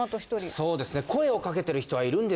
そうですね。